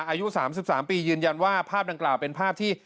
อายุ๓๓ปียืนยันว่าภาพดังกล่าวเป็นภาพที่